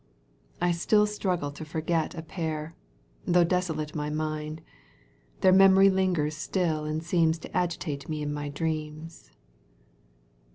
I still struggle to f oiget A pair ; though desolate my mind. Their memory lingers still and seems To agitate me in my dreams.